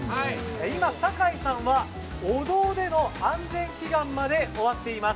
今、酒井さんは、お堂での安全祈願まで終わっています。